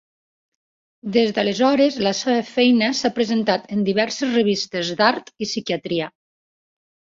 Des d'aleshores la seva feina s'ha presentat en diverses revistes d'art i psiquiatria.